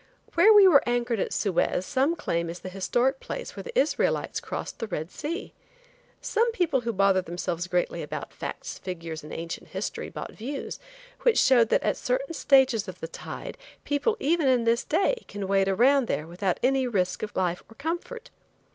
Where we anchored at Suez some claim is the historic place where the Israelites crossed the Red Sea. Some people who bother themselves greatly about facts, figures and ancient history, bought views, which showed that at certain stages of the tide, people, in even this day, can wade around there without any risk of life or comfort.